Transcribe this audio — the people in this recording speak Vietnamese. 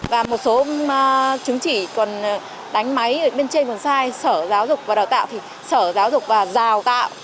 và một số chứng chỉ còn đánh máy bên trên còn sai sở giáo dục và đào tạo thì sở giáo dục và đào tạo